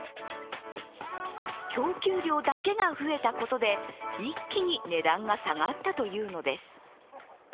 供給量だけが増えたことで一気に値段が下がったというのです。